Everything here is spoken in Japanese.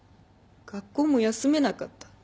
学校も休めなかった。